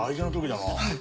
はい。